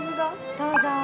どうぞ。